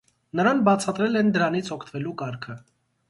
Նրան բացատրել են դրանից օգտվելու կարգը։